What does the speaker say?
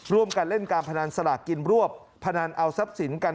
ร่วมกันเล่นการพนันสลากกินรวบพนันเอาทรัพย์สินกัน